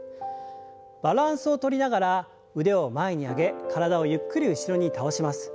バランスをとりながら腕を前に上げ体をゆっくり後ろに倒します。